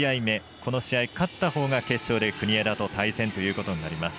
この試合勝ったほうが決勝で国枝と対戦となります。